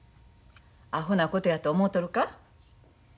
アホなことやと思うとるか？